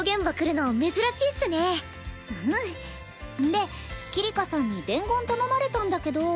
で桐香さんに伝言頼まれたんだけど。